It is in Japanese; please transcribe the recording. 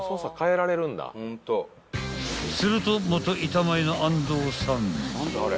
［すると元板前の安藤さん］